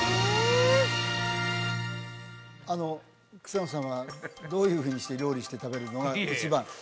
あの草野さんはどういうふうにして料理して食べるのが一番？